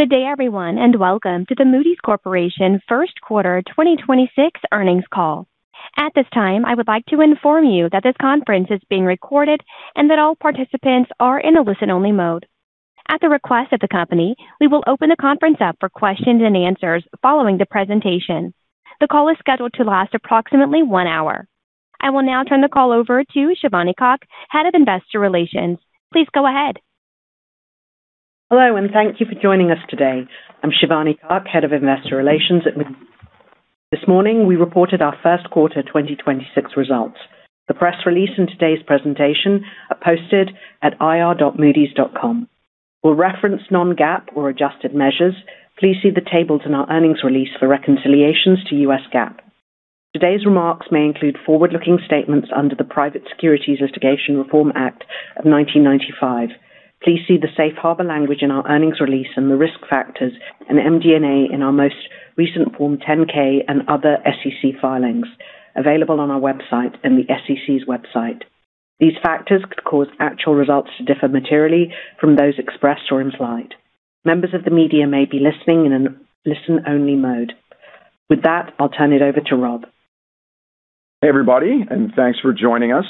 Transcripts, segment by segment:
Good day everyone, and welcome to the Moody's Corporation First Quarter 2026 Earnings Call. At this time, I would like to inform you that this conference is being recorded and that all participants are in a listen-only mode. At the request of the company, we will open the conference up for questions and answers following the presentation. The call is scheduled to last approximately one hour. I will now turn the call over to Shivani Kak, Head of Investor Relations. Please go ahead. Hello, and thank you for joining us today. I'm Shivani Kak, Head of Investor Relations at Moody's. This morning, we reported our first quarter 2026 results. The press release and today's presentation are posted at ir.moodys.com. We'll reference non-GAAP or adjusted measures. Please see the tables in our earnings release for reconciliations to U.S. GAAP. Today's remarks may include forward-looking statements under the Private Securities Litigation Reform Act of 1995. Please see the safe harbor language in our earnings release and the risk factors and MD&A in our most recent Form 10-K and other SEC filings available on our website and the SEC's website. These factors could cause actual results to differ materially from those expressed or implied. Members of the media may be listening in a listen-only mode. With that, I'll turn it over to Rob. Hey everybody, thanks for joining us.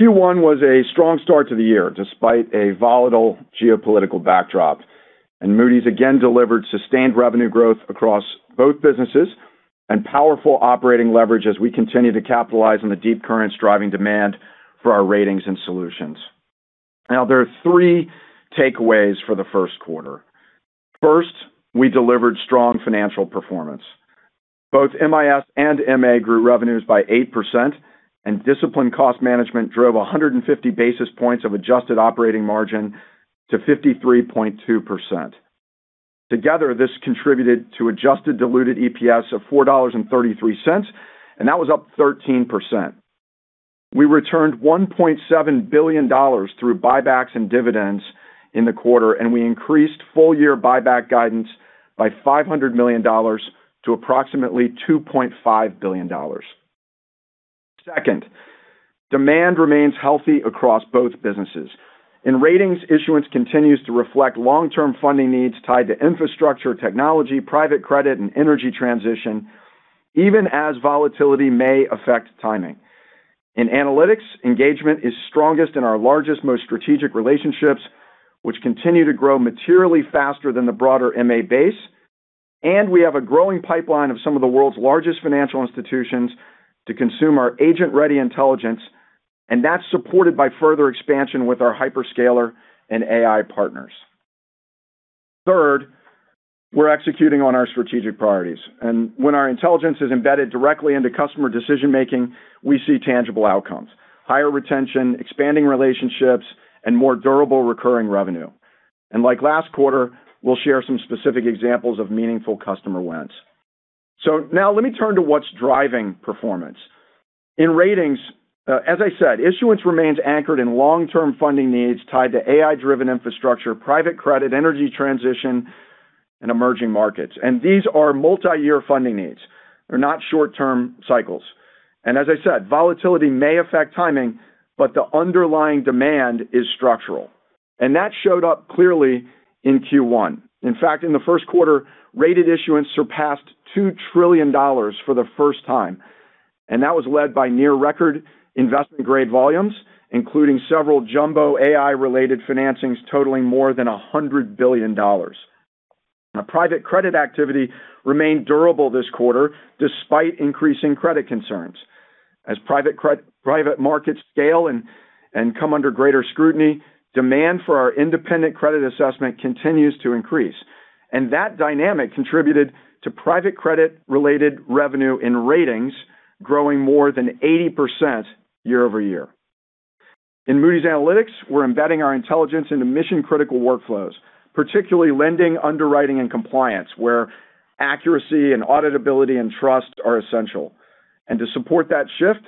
Q1 was a strong start to the year despite a volatile geopolitical backdrop. Moody's again delivered sustained revenue growth across both businesses and powerful operating leverage as we continue to capitalize on the deep currents driving demand for our ratings and solutions. Now there are three takeaways for the first quarter. First, we delivered strong financial performance. Both MIS and MA grew revenues by 8%, and disciplined cost management drove 150 basis points of adjusted operating margin to 53.2%. Together, this contributed to adjusted diluted EPS of $4.33, and that was up 13%. We returned $1.7 billion through buybacks and dividends in the quarter, and we increased full year buyback guidance by $500 million to approximately $2.5 billion. Second, demand remains healthy across both businesses. In ratings, issuance continues to reflect long-term funding needs tied to infrastructure, technology, private credit and energy transition, even as volatility may affect timing. In analytics, engagement is strongest in our largest, most strategic relationships, which continue to grow materially faster than the broader M&A base, and we have a growing pipeline of some of the world's largest financial institutions to consume our agent-ready intelligence, and that's supported by further expansion with our hyperscaler and AI partners. Third, we're executing on our strategic priorities, and when our intelligence is embedded directly into customer decision-making, we see tangible outcomes, higher retention, expanding relationships, and more durable recurring revenue. Like last quarter, we'll share some specific examples of meaningful customer wins. Now let me turn to what's driving performance. In ratings, as I said, issuance remains anchored in long-term funding needs tied to AI-driven infrastructure, private credit, energy transition, and emerging markets. These are multi-year funding needs. They're not short-term cycles. As I said, volatility may affect timing, but the underlying demand is structural. That showed up clearly in Q1. In fact, in the first quarter, rated issuance surpassed $2 trillion for the first time, and that was led by near record investment-grade volumes, including several jumbo AI-related financings totaling more than $100 billion. Now, private credit activity remained durable this quarter despite increasing credit concerns. As private credit and private markets scale and come under greater scrutiny, demand for our independent credit assessment continues to increase, and that dynamic contributed to private credit-related revenue in ratings growing more than 80% year-over-year. In Moody's Analytics, we're embedding our intelligence into mission-critical workflows, particularly lending, underwriting, and compliance, where accuracy and auditability and trust are essential. To support that shift,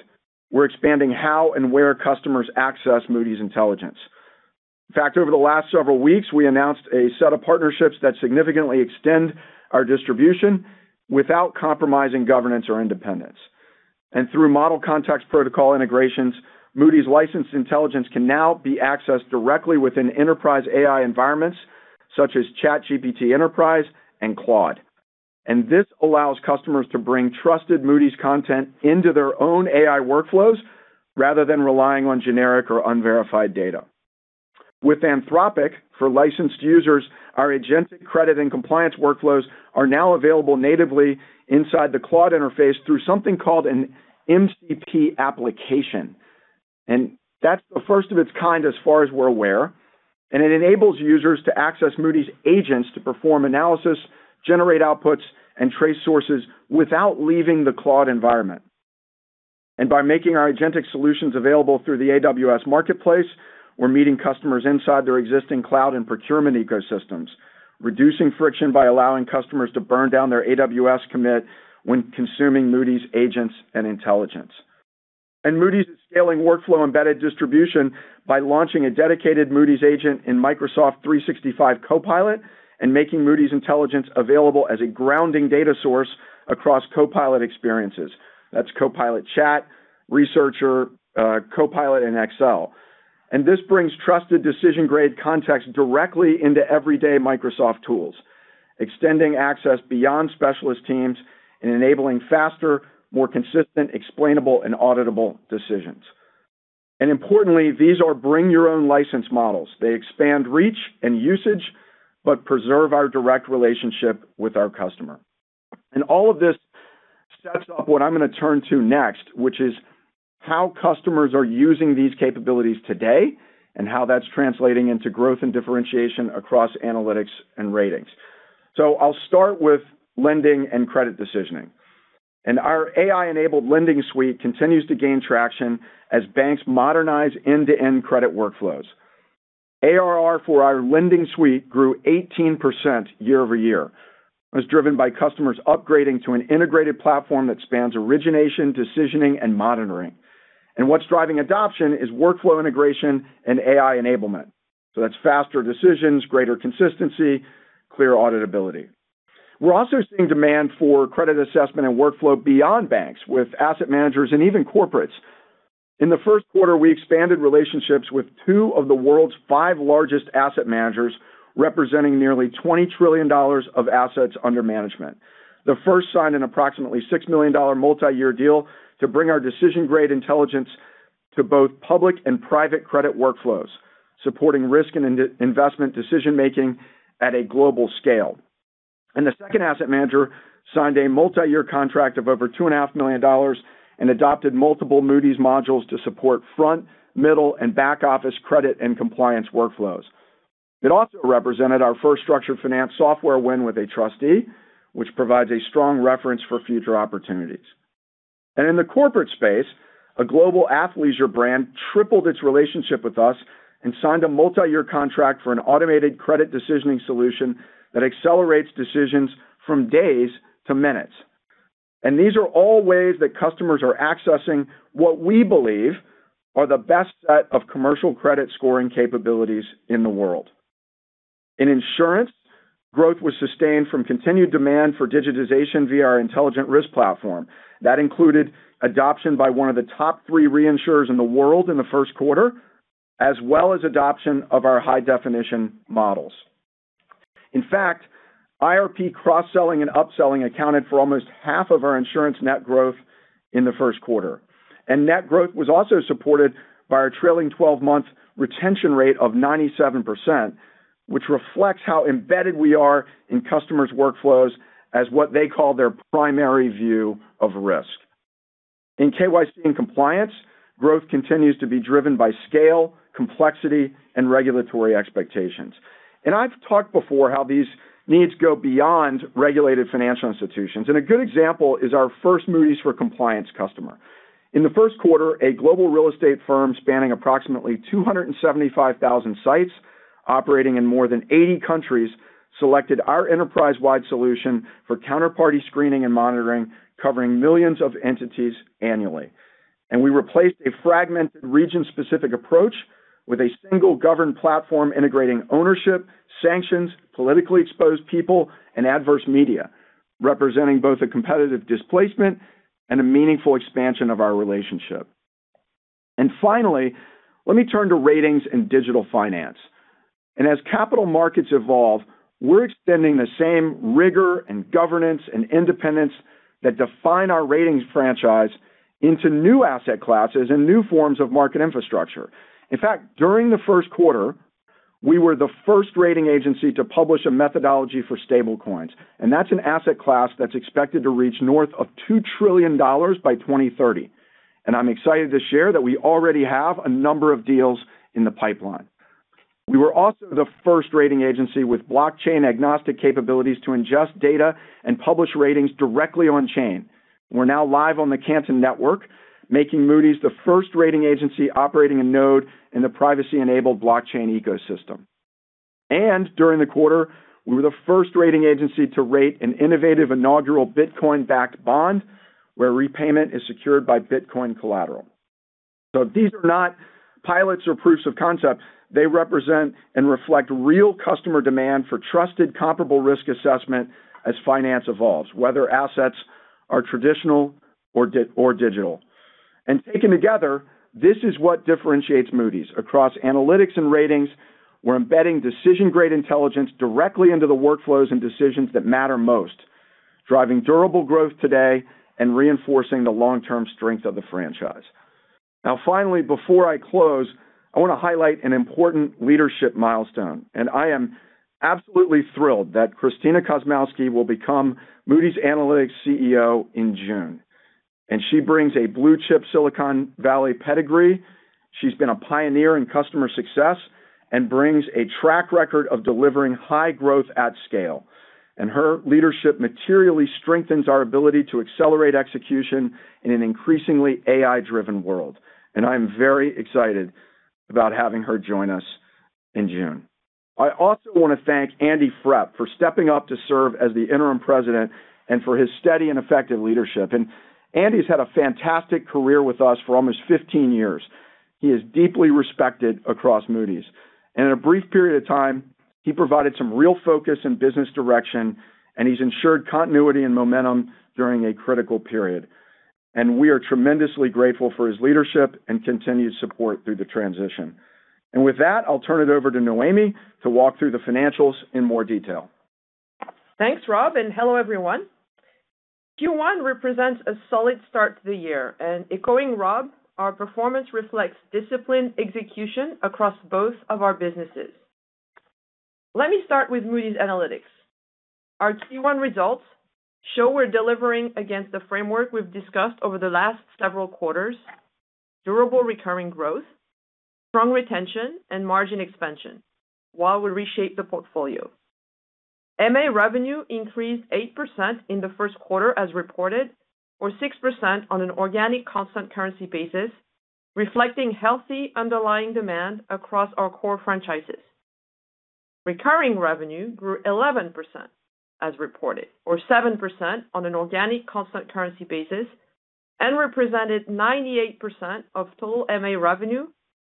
we're expanding how and where customers access Moody's intelligence. In fact, over the last several weeks, we announced a set of partnerships that significantly extend our distribution without compromising governance or independence. Through Model Context Protocol integrations, Moody's licensed intelligence can now be accessed directly within enterprise AI environments such as ChatGPT Enterprise and Claude. This allows customers to bring trusted Moody's content into their own AI workflows rather than relying on generic or unverified data. With Anthropic, for licensed users, our agentic credit and compliance workflows are now available natively inside the Claude interface through something called an MCP application. That's the first of its kind as far as we're aware, and it enables users to access Moody's agents to perform analysis, generate outputs, and trace sources without leaving the Claude environment. By making our agentic solutions available through the AWS Marketplace, we're meeting customers inside their existing cloud and procurement ecosystems, reducing friction by allowing customers to burn down their AWS commit when consuming Moody's agents and intelligence. Moody's is scaling workflow-embedded distribution by launching a dedicated Moody's agent in Microsoft 365 Copilot and making Moody's intelligence available as a grounding data source across Copilot experiences. That's Copilot Chat, Researcher, Copilot and Excel. This brings trusted decision-grade context directly into everyday Microsoft tools, extending access beyond specialist teams and enabling faster, more consistent, explainable, and auditable decisions. Importantly, these are bring-your-own-license models. They expand reach and usage but preserve our direct relationship with our customer. All of this sets up what I'm going to turn to next, which is how customers are using these capabilities today, and how that's translating into growth and differentiation across analytics and ratings. I'll start with lending and credit decisioning. Our AI-enabled lending suite continues to gain traction as banks modernize end-to-end credit workflows. ARR for our lending suite grew 18% year-over-year, and was driven by customers upgrading to an integrated platform that spans origination, decisioning, and monitoring. What's driving adoption is workflow integration and AI enablement. That's faster decisions, greater consistency, clear auditability. We're also seeing demand for credit assessment and workflow beyond banks with asset managers and even corporates. In the first quarter, we expanded relationships with two of the world's five largest asset managers, representing nearly $20 trillion of assets under management. The first asset manager signed an approximately $6 million multi-year deal to bring our decision-grade intelligence to both public and private credit workflows, supporting risk and investment decision-making at a global scale. The second asset manager signed a multi-year contract of over $2.5 million and adopted multiple Moody's modules to support front, middle, and back-office credit and compliance workflows. It also represented our first structured finance software win with a trustee, which provides a strong reference for future opportunities. In the corporate space, a global athleisure brand tripled its relationship with us and signed a multi-year contract for an automated credit decisioning solution that accelerates decisions from days to minutes. These are all ways that customers are accessing what we believe are the best set of commercial credit scoring capabilities in the world. In insurance, growth was sustained from continued demand for digitization via our Intelligent Risk Platform. That included adoption by one of the top three reinsurers in the world in the first quarter, as well as adoption of our high-definition models. In fact, IRP cross-selling and upselling accounted for almost half of our insurance net growth in the first quarter. Net growth was also supported by our trailing 12-month retention rate of 97%, which reflects how embedded we are in customers' workflows as what they call their primary view of risk. In KYC and compliance, growth continues to be driven by scale, complexity, and regulatory expectations. I've talked before how these needs go beyond regulated financial institutions, and a good example is our first Moody's for Compliance customer. In the first quarter, a global real estate firm spanning approximately 275,000 sites operating in more than 80 countries, selected our enterprise-wide solution for counterparty screening and monitoring, covering millions of entities annually. We replaced a fragmented region-specific approach with a single governed platform integrating ownership, sanctions, politically exposed people, and adverse media, representing both a competitive displacement and a meaningful expansion of our relationship. Finally, let me turn to ratings and digital finance. As capital markets evolve, we're extending the same rigor and governance and independence that define our ratings franchise into new asset classes and new forms of market infrastructure. In fact, during the first quarter, we were the first rating agency to publish a methodology for stablecoins, and that's an asset class that's expected to reach north of $2 trillion by 2030. I'm excited to share that we already have a number of deals in the pipeline. We were also the first rating agency with blockchain-agnostic capabilities to ingest data and publish ratings directly on-chain. We're now live on the Canton Network, making Moody's the first rating agency operating a node in the privacy-enabled blockchain ecosystem. During the quarter, we were the first rating agency to rate an innovative inaugural Bitcoin-backed bond where repayment is secured by Bitcoin collateral. These are not pilots or proofs of concept. They represent and reflect real customer demand for trusted comparable risk assessment as finance evolves, whether assets are traditional or digital. Taken together, this is what differentiates Moody's. Across analytics and ratings, we're embedding decision-grade intelligence directly into the workflows and decisions that matter most, driving durable growth today and reinforcing the long-term strength of the franchise. Now finally, before I close, I want to highlight an important leadership milestone, and I am absolutely thrilled that Christina Kosmowski will become Moody's Analytics CEO in June. She brings a blue-chip Silicon Valley pedigree. She's been a pioneer in customer success and brings a track record of delivering high growth at scale, and her leadership materially strengthens our ability to accelerate execution in an increasingly AI-driven world. I am very excited about having her join us in June. I also want to thank Andy Frepp for stepping up to serve as the Interim President and for his steady and effective leadership. Andy's had a fantastic career with us for almost 15 years. He is deeply respected across Moody's. In a brief period of time, he provided some real focus and business direction, and he's ensured continuity and momentum during a critical period. We are tremendously grateful for his leadership and continued support through the transition. With that, I'll turn it over to Noémie to walk through the financials in more detail. Thanks, Rob, and hello, everyone. Q1 represents a solid start to the year, and echoing Rob, our performance reflects disciplined execution across both of our businesses. Let me start with Moody's Analytics. Our Q1 results show we're delivering against the framework we've discussed over the last several quarters, durable recurring growth, strong retention, and margin expansion while we reshape the portfolio. MA revenue increased 8% in the first quarter as reported, or 6% on an organic constant currency basis, reflecting healthy underlying demand across our core franchises. Recurring revenue grew 11% as reported, or 7% on an organic constant currency basis and represented 98% of total MA revenue,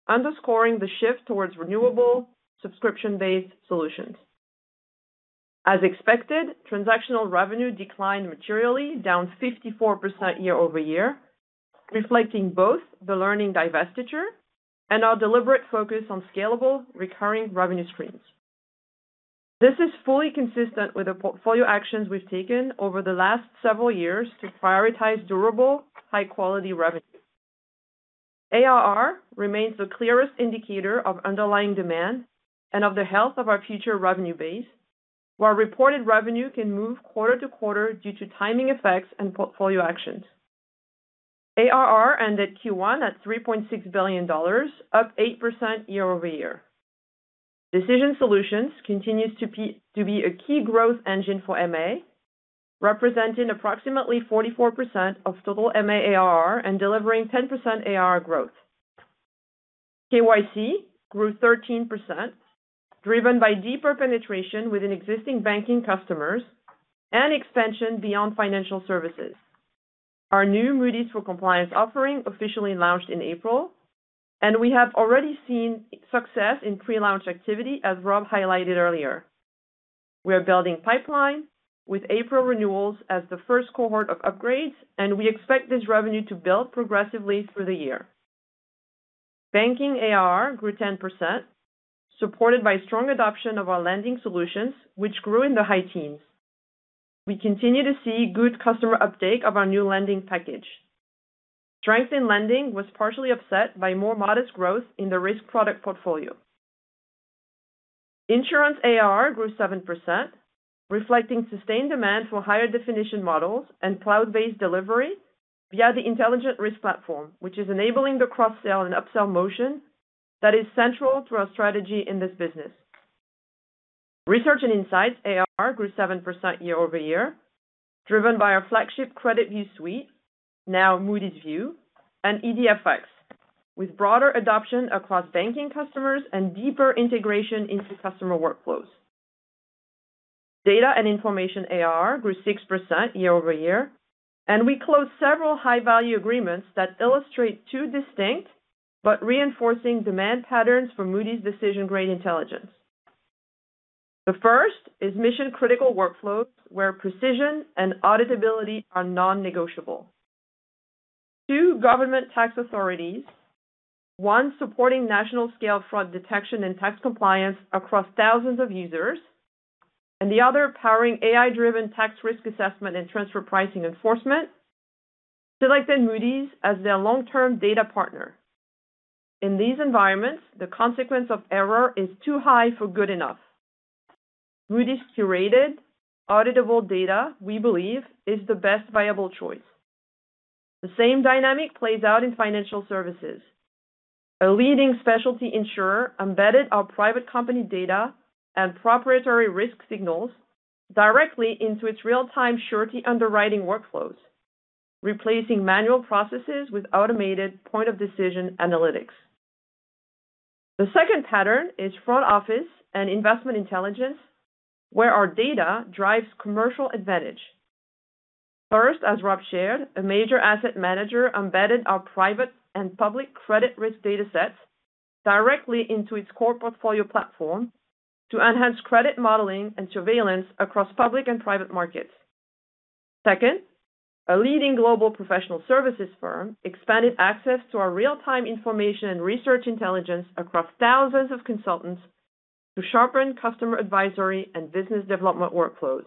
underscoring the shift towards renewable subscription-based solutions. As expected, transactional revenue declined materially, down 54% year-over-year, reflecting both the learning divestiture and our deliberate focus on scalable recurring revenue streams. This is fully consistent with the portfolio actions we've taken over the last several years to prioritize durable, high-quality revenue. ARR remains the clearest indicator of underlying demand and of the health of our future revenue base, while reported revenue can move quarter to quarter due to timing effects and portfolio actions. ARR ended Q1 at $3.6 billion, up 8% year-over-year. Decision Solutions continues to be a key growth engine for MA, representing approximately 44% of total MA ARR and delivering 10% ARR growth. KYC grew 13%, driven by deeper penetration within existing banking customers and expansion beyond financial services. Our new Moody's for Compliance offering officially launched in April, and we have already seen success in pre-launch activity, as Rob highlighted earlier. We are building pipeline with April renewals as the first cohort of upgrades, and we expect this revenue to build progressively through the year. Banking ARR grew 10%, supported by strong adoption of our lending solutions, which grew in the high teens. We continue to see good customer uptake of our new lending package. Strength in lending was partially upset by more modest growth in the risk product portfolio. Insurance ARR grew 7%, reflecting sustained demand for higher definition models and cloud-based delivery via the Intelligent Risk Platform, which is enabling the cross-sell and upsell motion that is central to our strategy in this business. Research and Insights ARR grew 7% year-over-year, driven by our flagship CreditView suite, now Moody's View, and EDF-X, with broader adoption across banking customers and deeper integration into customer workflows. Data and Information ARR grew 6% year-over-year, and we closed several high-value agreements that illustrate two distinct but reinforcing demand patterns for Moody's Decision Grade Intelligence. The first is mission-critical workflows, where precision and auditability are non-negotiable. Two government tax authorities, one supporting national-scale fraud detection and tax compliance across thousands of users, and the other powering AI-driven tax risk assessment and transfer pricing enforcement, selected Moody's as their long-term data partner. In these environments, the consequence of error is too high for good enough. Moody's curated auditable data, we believe, is the best viable choice. The same dynamic plays out in financial services. A leading specialty insurer embedded our private company data and proprietary risk signals directly into its real-time surety underwriting workflows, replacing manual processes with automated point-of-decision analytics. The second pattern is front office and investment intelligence, where our data drives commercial advantage. First, as Rob shared, a major asset manager embedded our private and public credit risk datasets directly into its core portfolio platform to enhance credit modeling and surveillance across public and private markets. Second, a leading global professional services firm expanded access to our real-time information and research intelligence across thousands of consultants to sharpen customer advisory and business development workflows.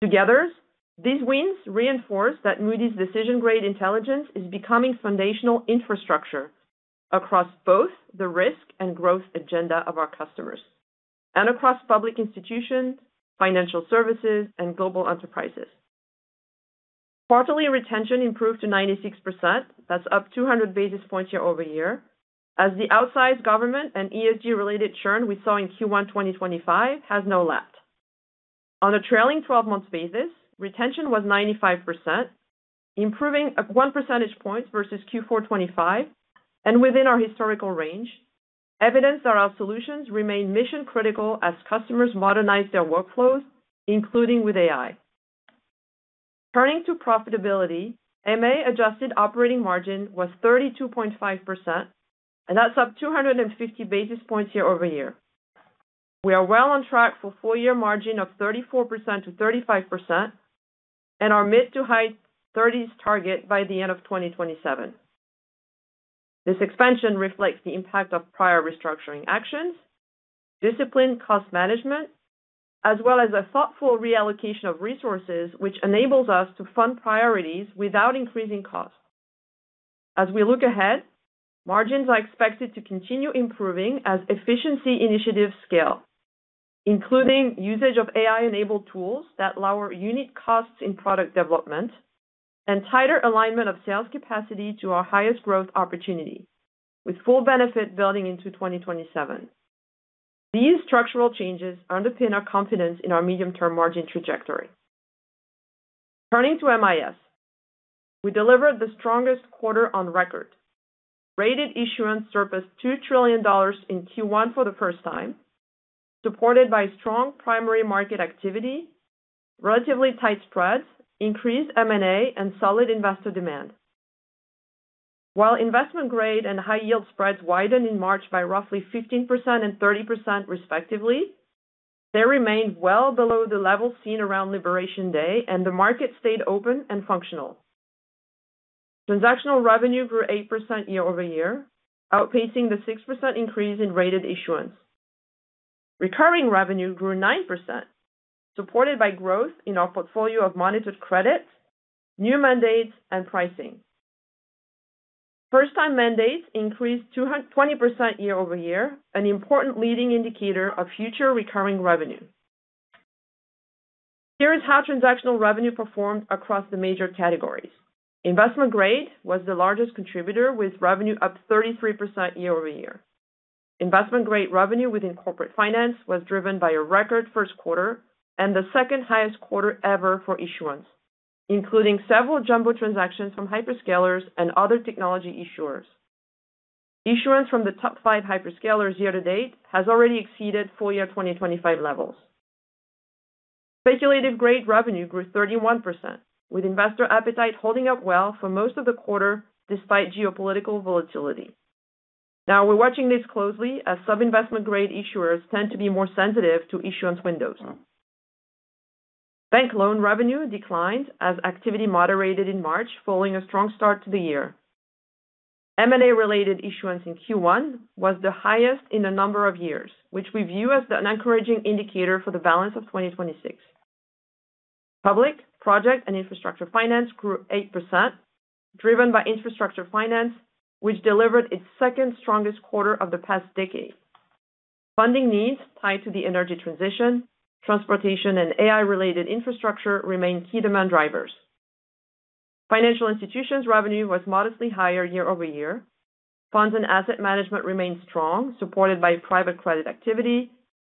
Together, these wins reinforce that Moody's Decision Grade Intelligence is becoming foundational infrastructure across both the risk and growth agenda of our customers and across public institutions, financial services, and global enterprises. Quarterly retention improved to 96%. That's up 200 basis points year-over-year as the outsized government and ESG-related churn we saw in Q1 2025 has now left. On a trailing 12-month basis, retention was 95%, improving up one percentage point versus Q4 2025 and within our historical range, evidence that our solutions remain mission-critical as customers modernize their workflows, including with AI. Turning to profitability, MA adjusted operating margin was 32.5%, and that's up 250 basis points year-over-year. We are well on track for full year margin of 34%-35%, and our mid to high 30s target by the end of 2027. This expansion reflects the impact of prior restructuring actions, disciplined cost management, as well as a thoughtful reallocation of resources which enables us to fund priorities without increasing costs. As we look ahead, margins are expected to continue improving as efficiency initiatives scale, including usage of AI-enabled tools that lower unit costs in product development, and tighter alignment of sales capacity to our highest growth opportunity, with full benefit building into 2027. These structural changes underpin our confidence in our medium-term margin trajectory. Turning to MIS, we delivered the strongest quarter on record. Rated issuance surpassed $2 trillion in Q1 for the first time, supported by strong primary market activity, relatively tight spreads, increased M&A, and solid investor demand. While investment grade and high yield spreads widened in March by roughly 15% and 30% respectively, they remained well below the level seen around Liberation Day, and the market stayed open and functional. Transactional revenue grew 8% year-over-year, outpacing the 6% increase in rated issuance. Recurring revenue grew 9%, supported by growth in our portfolio of monitored credits, new mandates, and pricing. First-time mandates increased 20% year-over-year, an important leading indicator of future recurring revenue. Here is how transactional revenue performed across the major categories. Investment grade was the largest contributor, with revenue up 33% year-over-year. Investment-grade revenue within corporate finance was driven by a record first quarter and the second highest quarter ever for issuance, including several jumbo transactions from hyperscalers and other technology issuers. Issuance from the top five hyperscalers year to date has already exceeded full year 2025 levels. Speculative-grade revenue grew 31%, with investor appetite holding up well for most of the quarter despite geopolitical volatility. Now, we're watching this closely, as sub-investment-grade issuers tend to be more sensitive to issuance windows. Bank loan revenue declined as activity moderated in March following a strong start to the year. M&A-related issuance in Q1 was the highest in a number of years, which we view as an encouraging indicator for the balance of 2026. Public, project, and infrastructure finance grew 8%, driven by infrastructure finance, which delivered its second strongest quarter of the past decade. Funding needs tied to the energy transition, transportation, and AI-related infrastructure remain key demand drivers. Financial institutions revenue was modestly higher year-over-year. Funds and asset management remained strong, supported by private credit activity,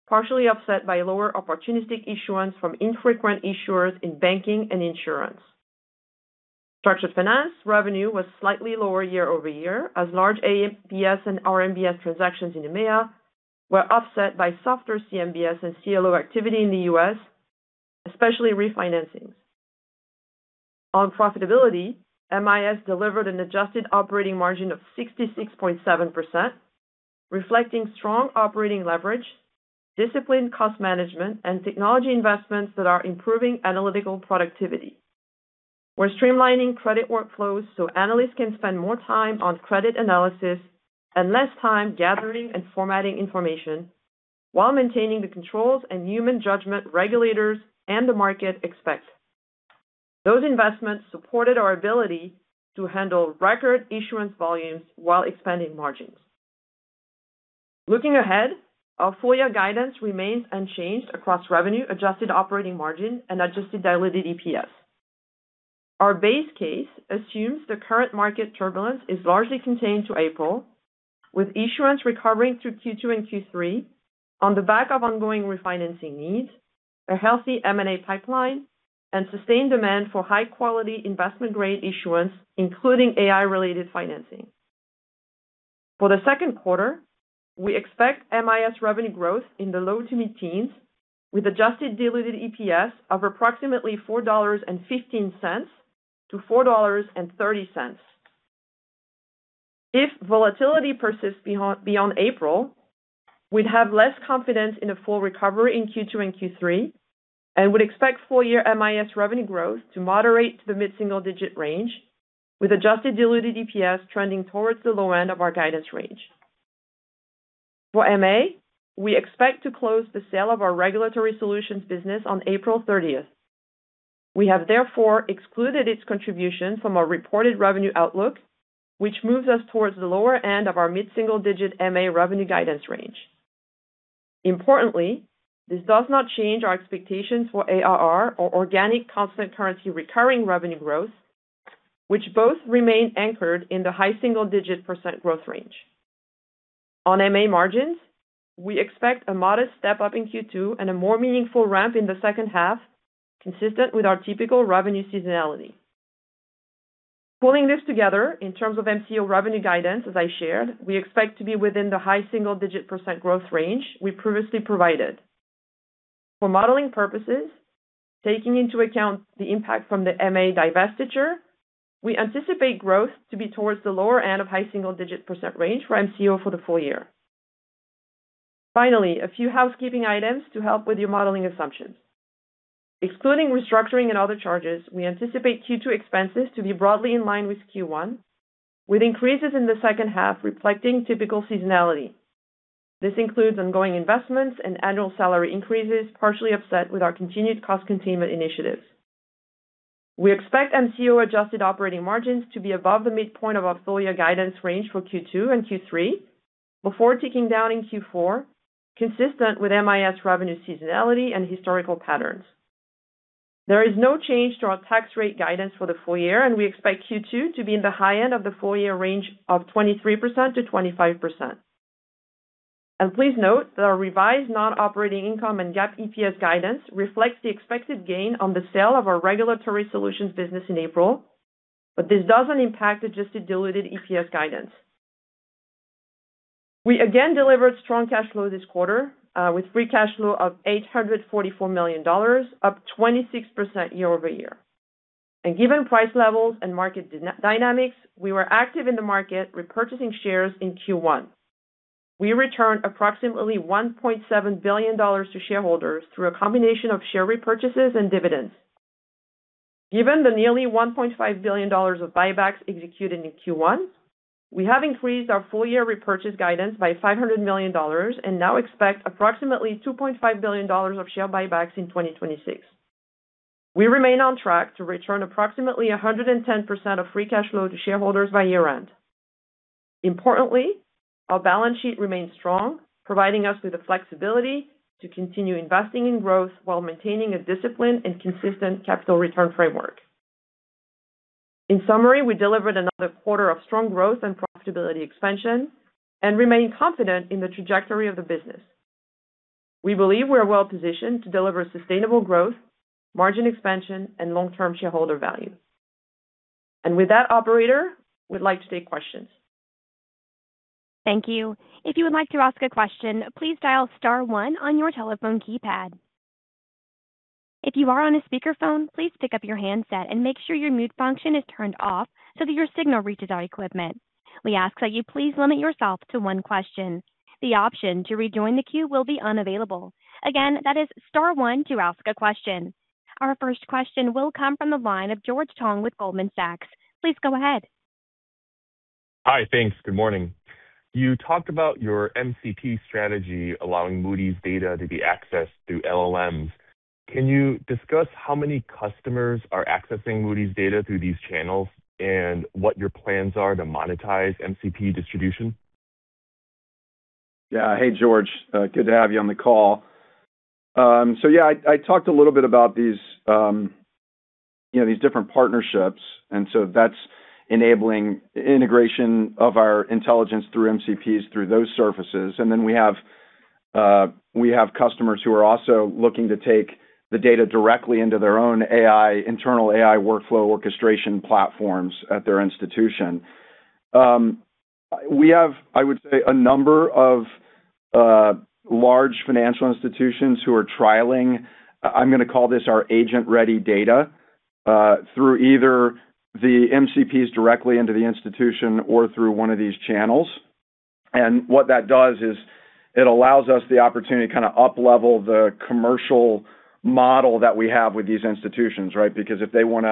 partially offset by lower opportunistic issuance from infrequent issuers in banking and insurance. Structured finance revenue was slightly lower year-over-year, as large ABS and RMBS transactions in EMEA were offset by softer CMBS and CLO activity in the U.S., especially refinancings. On profitability, MIS delivered an adjusted operating margin of 66.7%, reflecting strong operating leverage, disciplined cost management, and technology investments that are improving analytical productivity. We're streamlining credit workflows so analysts can spend more time on credit analysis, and less time gathering and formatting information while maintaining the controls and human judgment regulators and the market expect. Those investments supported our ability to handle record issuance volumes while expanding margins. Looking ahead, our full year guidance remains unchanged across revenue, adjusted operating margin, and adjusted diluted EPS. Our base case assumes the current market turbulence is largely contained to April, with issuance recovering through Q2 and Q3 on the back of ongoing refinancing needs, a healthy M&A pipeline, and sustained demand for high quality investment grade issuance, including AI-related financing. For the second quarter, we expect MIS revenue growth in the low- to mid-teens% with adjusted diluted EPS of approximately $4.15-$4.30. If volatility persists beyond April, we'd have less confidence in a full recovery in Q2 and Q3, and would expect full year MIS revenue growth to moderate to the mid-single-digit range, with adjusted diluted EPS trending towards the low end of our guidance range. For MA, we expect to close the sale of our regulatory solutions business on April 30th. We have therefore excluded its contribution from our reported revenue outlook, which moves us towards the lower end of our mid-single-digit MA revenue guidance range. Importantly, this does not change our expectations for ARR or organic constant currency recurring revenue growth, which both remain anchored in the high single-digit percent growth range. On MA margins, we expect a modest step-up in Q2 and a more meaningful ramp in the second half, consistent with our typical revenue seasonality. Pulling this together in terms of MCO revenue guidance, as I shared, we expect to be within the high single-digit percent growth range we previously provided. For modeling purposes, taking into account the impact from the MA divestiture, we anticipate growth to be towards the lower end of high single-digit percent range for MCO for the full year. Finally, a few housekeeping items to help with your modeling assumptions. Excluding restructuring and other charges, we anticipate Q2 expenses to be broadly in line with Q1, with increases in the second half reflecting typical seasonality. This includes ongoing investments and annual salary increases, partially offset with our continued cost containment initiatives. We expect MCO adjusted operating margins to be above the midpoint of our full year guidance range for Q2 and Q3 before ticking down in Q4, consistent with MIS revenue seasonality and historical patterns. There is no change to our tax rate guidance for the full year, and we expect Q2 to be in the high end of the full year range of 23%-25%. Please note that our revised non-operating income and GAAP EPS guidance reflects the expected gain on the sale of our regulatory solutions business in April, but this doesn't impact adjusted diluted EPS guidance. We again delivered strong cash flow this quarter with free cash flow of $844 million, up 26% year-over-year. Given price levels and market dynamics, we were active in the market repurchasing shares in Q1. We returned approximately $1.7 billion to shareholders through a combination of share repurchases and dividends. Given the nearly $1.5 billion of buybacks executed in Q1, we have increased our full year repurchase guidance by $500 million and now expect approximately $2.5 billion of share buybacks in 2026. We remain on track to return approximately 110% of free cash flow to shareholders by year-end. Importantly, our balance sheet remains strong, providing us with the flexibility to continue investing in growth while maintaining a disciplined and consistent capital return framework. In summary, we delivered another quarter of strong growth and profitability expansion and remain confident in the trajectory of the business. We believe we are well positioned to deliver sustainable growth, margin expansion, and long-term shareholder value. With that operator, we'd like to take questions. Thank you. If you would like to ask a question, please dial star one on your telephone keypad. If you are on a speakerphone, please pick up your handset and make sure your mute function is turned off so that your signal reaches our equipment. We ask that you please limit yourself to one question. The option to rejoin the queue will be unavailable. Again, that is star one to ask a question. Our first question will come from the line of George Tong with Goldman Sachs. Please go ahead. Hi. Thanks. Good morning. You talked about your MCP strategy allowing Moody's data to be accessed through LLMs. Can you discuss how many customers are accessing Moody's data through these channels and what your plans are to monetize MCP distribution? Yeah. Hey, George. Good to have you on the call. Yeah, I talked a little bit about these different partnerships, and so that's enabling integration of our intelligence through MCPs through those surfaces. We have customers who are also looking to take the data directly into their own AI, internal AI workflow orchestration platforms at their institution. We have, I would say, a number of large financial institutions who are trialing. I'm going to call this our agent-ready data through either the MCPs directly into the institution or through one of these channels. What that does is it allows us the opportunity to kind of uplevel the commercial model that we have with these institutions, right? Because if they want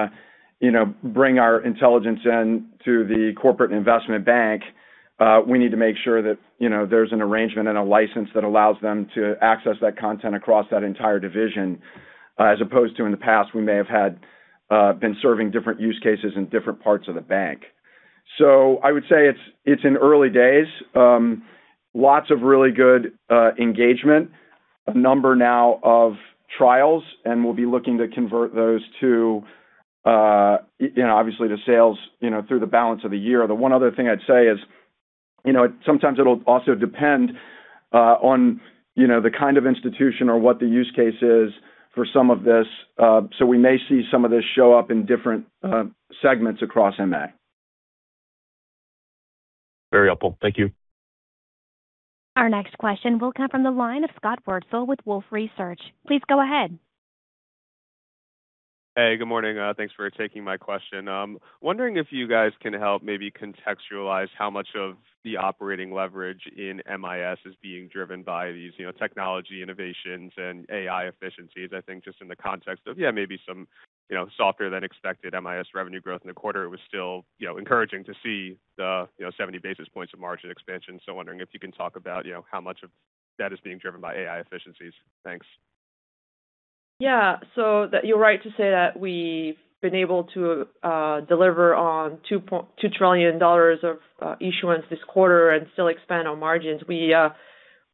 to bring our intelligence into the corporate investment bank, we need to make sure that, you know, there's an arrangement and a license that allows them to access that content across that entire division. As opposed to in the past, we may have had been serving different use cases in different parts of the bank. I would say it's in early days. Lots of really good engagement. A number now of trials, and we'll be looking to convert those to, you know, obviously to sales through the balance of the year. The one other thing I'd say is, you know, sometimes it'll also depend on the kind of institution or what the use case is for some of this. We may see some of this show up in different segments across M&A. Very helpful. Thank you. Our next question will come from the line of Scott Wurtzel with Wolfe Research. Please go ahead. Hey, good morning. Thanks for taking my question. Wondering if you guys can help maybe contextualize how much of the operating leverage in MIS is being driven by these technology innovations and AI efficiencies. I think just in the context of, maybe some softer than expected MIS revenue growth in the quarter, it was still encouraging to see the 70 basis points of margin expansion. Wondering if you can talk about how much of that is being driven by AI efficiencies. Thanks. Yeah. You're right to say that we've been able to deliver on $2 trillion of issuance this quarter and still expand our margins.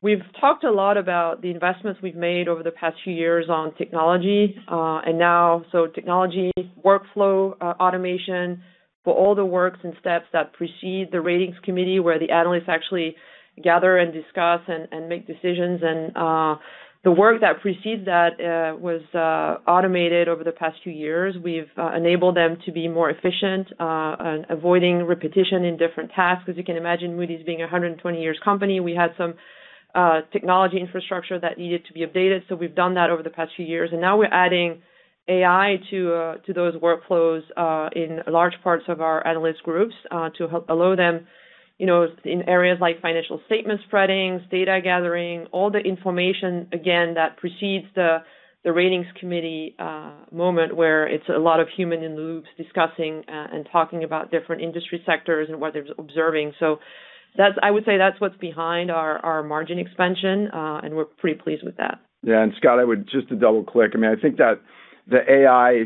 We've talked a lot about the investments we've made over the past few years on technology. Technology workflow automation for all the workflows and steps that precede the ratings committee, where the analysts actually gather and discuss and make decisions. The work that precedes that was automated over the past few years. We've enabled them to be more efficient at avoiding repetition in different tasks. As you can imagine, Moody's being a 120-year company, we had some technology infrastructure that needed to be updated. We've done that over the past few years, and now we're adding AI to those workflows in large parts of our analyst groups to allow them in areas like financial statement spreading, data gathering, all the information, again, that precedes the ratings committee moment where it's a lot of human in loops discussing and talking about different industry sectors and what they're observing. I would say that's what's behind our margin expansion. We're pretty pleased with that. Yeah. Scott, just to double-click, I think that the AI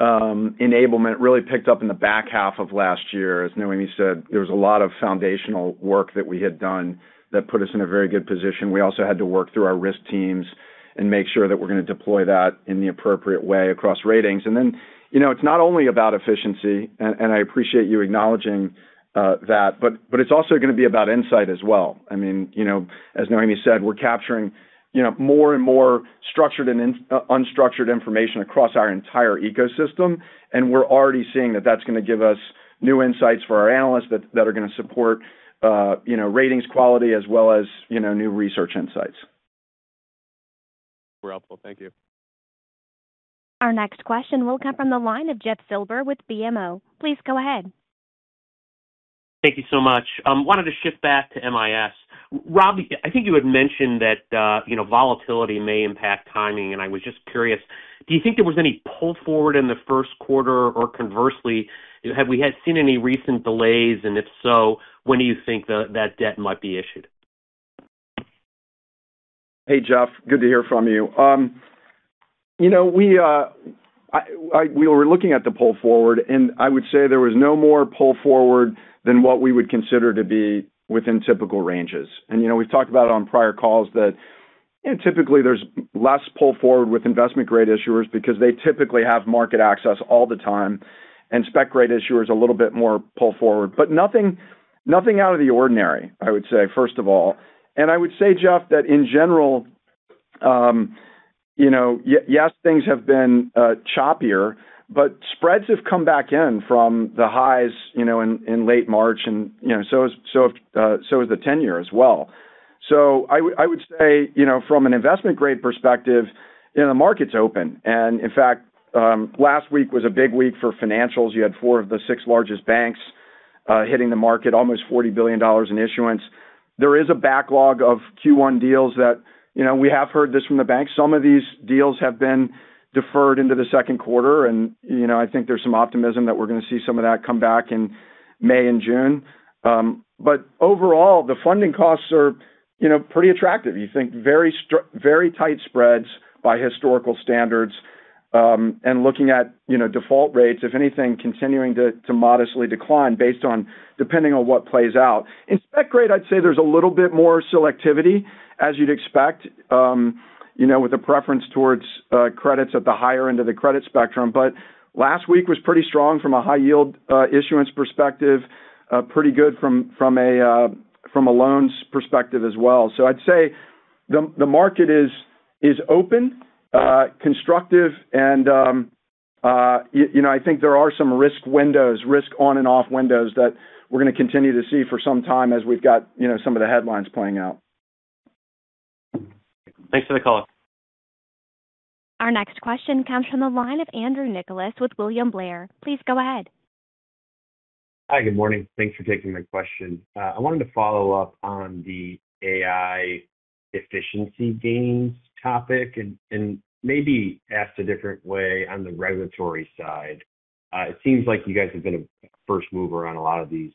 enablement really picked up in the back half of last year. As Noémie said, there was a lot of foundational work that we had done that put us in a very good position. We also had to work through our risk teams and make sure that we're going to deploy that in the appropriate way across ratings. It's not only about efficiency, and I appreciate you acknowledging that, but it's also going to be about insight as well. As Noémie said, we're capturing more and more structured and unstructured information across our entire ecosystem, and we're already seeing that that's going to give us new insights for our analysts that are going to support ratings quality as well as new research insights. Super helpful. Thank you. Our next question will come from the line of Jeff Silber with BMO. Please go ahead. Thank you so much. I wanted to shift back to MIS. Rob, I think you had mentioned that volatility may impact timing, and I was just curious, do you think there was any pull forward in the first quarter? Or conversely, have we seen any recent delays? And if so, when do you think that debt might be issued? Hey, Jeff. Good to hear from you. We were looking at the pull forward, and I would say there was no more pull forward than what we would consider to be within typical ranges. We've talked about on prior calls that typically there's less pull forward with investment-grade issuers because they typically have market access all the time, and spec-grade issuers a little bit more pull forward. Nothing out of the ordinary, I would say, first of all. I would say, Jeff, that in general yes, things have been choppier, but spreads have come back in from the highs in late March, and so has the 10-year as well. I would say from an investment grade perspective, the market's open. In fact, last week was a big week for financials. You had four of the six largest banks hitting the market, almost $40 billion in issuance. There is a backlog of Q1 deals that we have heard this from the banks. Some of these deals have been deferred into the second quarter, and I think there's some optimism that we're going to see some of that come back in May and June. Overall, the funding costs are pretty attractive. You think very tight spreads by historical standards. Looking at default rates, if anything, continuing to modestly decline based on depending on what plays out. In spec grade, I'd say there's a little bit more selectivity, as you'd expect with a preference towards credits at the higher end of the credit spectrum. Last week was pretty strong from a high yield issuance perspective. Pretty good from a loans perspective as well. I'd say the market is open, constructive, and I think there are some risk windows, risk on and off windows that we're going to continue to see for some time as we've got some of the headlines playing out. Thanks for the color. Our next question comes from the line of Andrew Nicholas with William Blair. Please go ahead. Hi. Good morning. Thanks for taking my question. I wanted to follow up on the AI efficiency gains topic and maybe ask a different way on the regulatory side. It seems like you guys have been a first mover on a lot of these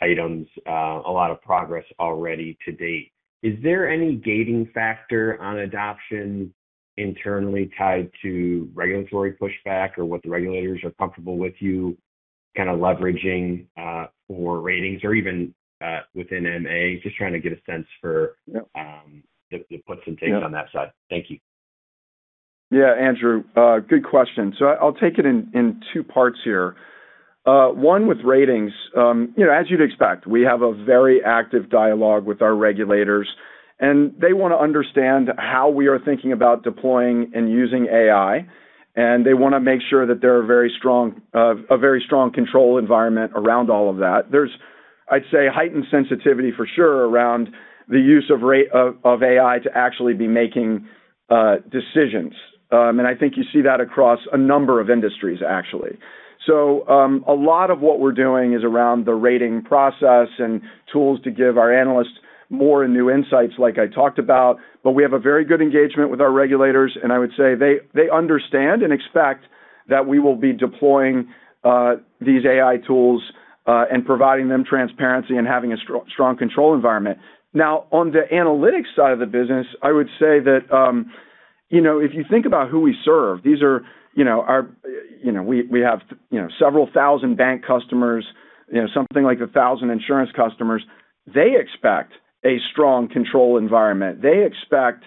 items, a lot of progress already to date. Is there any gating factor on adoption internally tied to regulatory pushback or what the regulators are comfortable with you kind of leveraging for ratings or even within MA? Just trying to get a sense for the puts and takes on that side. Thank you. Yeah, Andrew, good question. I'll take it in two parts here. One, with ratings, as you'd expect, we have a very active dialogue with our regulators, and they want to understand how we are thinking about deploying and using AI. They want to make sure that there are a very strong control environment around all of that. There's, I'd say, heightened sensitivity for sure around the use of AI to actually be making decisions. I think you see that across a number of industries, actually. A lot of what we're doing is around the rating process and tools to give our analysts more and new insights, like I talked about. We have a very good engagement with our regulators, and I would say they understand and expect that we will be deploying these AI tools and providing them transparency and having a strong control environment. Now, on the analytics side of the business, I would say that. If you think about who we serve, we have several thousand bank customers, something like a thousand insurance customers. They expect a strong control environment. They expect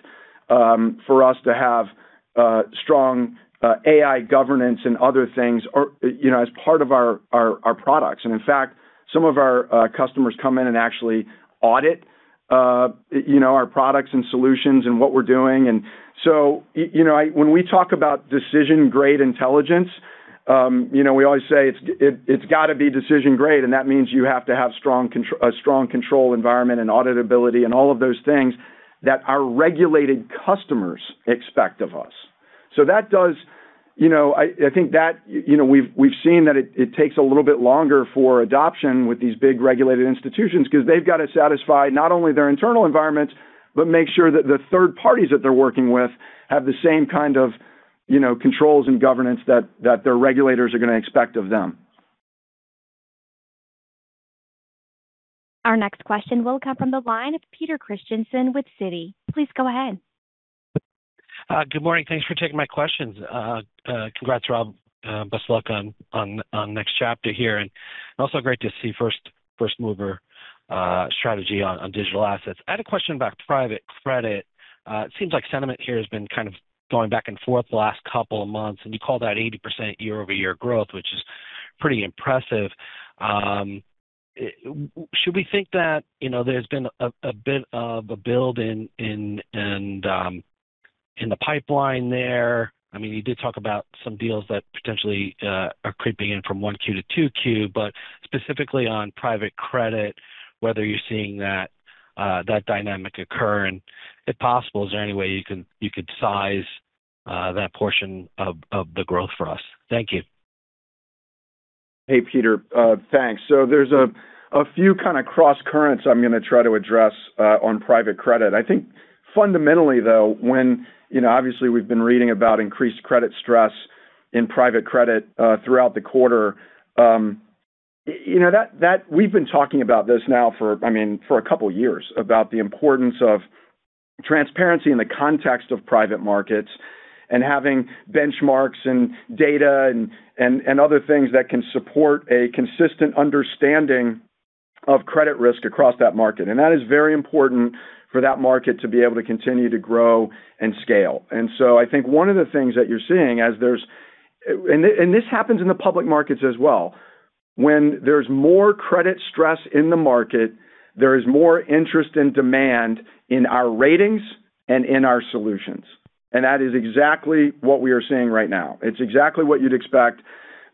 for us to have strong AI governance and other things as part of our products. In fact, some of our customers come in and actually audit our products and solutions and what we're doing. When we talk about decision-grade intelligence, we always say it's got to be decision-grade, and that means you have to have a strong control environment and auditability and all of those things that our regulated customers expect of us. I think we've seen that it takes a little bit longer for adoption with these big regulated institutions because they've got to satisfy not only their internal environments, but make sure that the third parties that they're working with have the same kind of controls and governance that their regulators are going to expect of them. Our next question will come from the line of Peter Christiansen with Citi. Please go ahead. Good morning. Thanks for taking my questions. Congrats, Rob. Best luck on next chapter here, and also great to see first-mover strategy on digital assets. I had a question about private credit. It seems like sentiment here has been kind of going back and forth the last couple of months, and you called out 80% year-over-year growth, which is pretty impressive. Should we think that there's been a bit of a build in the pipeline there? You did talk about some deals that potentially are creeping in from 1Q to 2Q, but specifically on private credit, whether you're seeing that dynamic occur, and if possible, is there any way you could size that portion of the growth for us? Thank you. Hey, Peter. Thanks. There's a few kind of crosscurrents I'm going to try to address on private credit. I think fundamentally, though, when obviously we've been reading about increased credit stress in private credit throughout the quarter, we've been talking about this now for a couple of years, about the importance of transparency in the context of private markets and having benchmarks and data and other things that can support a consistent understanding of credit risk across that market. That is very important for that market to be able to continue to grow and scale. I think one of the things that you're seeing, and this happens in the public markets as well, when there's more credit stress in the market, there is more interest and demand in our ratings and in our solutions. That is exactly what we are seeing right now. It's exactly what you'd expect,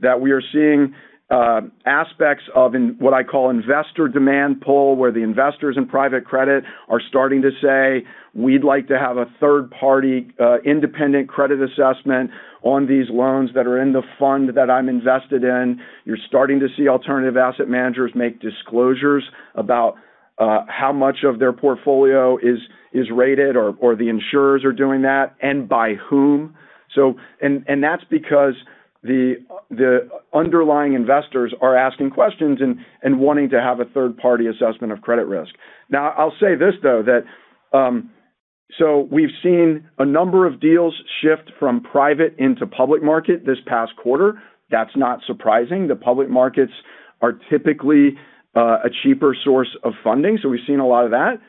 that we are seeing aspects of what I call investor demand pull, where the investors in private credit are starting to say, "We'd like to have a third party independent credit assessment on these loans that are in the fund that I'm invested in." You're starting to see alternative asset managers make disclosures about how much of their portfolio is rated or the insurers are doing that and by whom. That's because the underlying investors are asking questions and wanting to have a third party assessment of credit risk. Now, I'll say this, though, that we've seen a number of deals shift from private into public market this past quarter. That's not surprising. The public markets are typically a cheaper source of funding, so we've seen a lot of that.